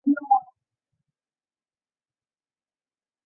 斗六郡为台湾日治时期的行政区划之一。